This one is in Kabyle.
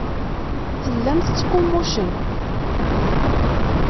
Tellam tettqummucem.